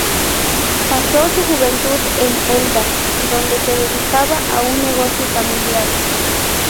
Pasó su juventud en Elda, donde se dedicaba a un negocio familiar.